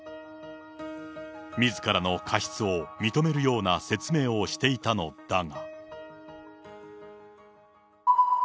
みずからの過失を認めるような説明をしていたのだが。